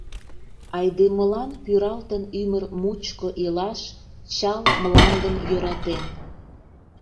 Айдемылан пӱралтын ӱмыр мучко Илаш, чал Мландым йӧратен.